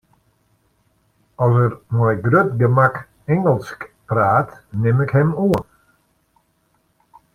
As er mei grut gemak Ingelsk praat, nim ik him oan.